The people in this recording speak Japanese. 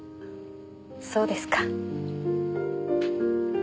そうですか。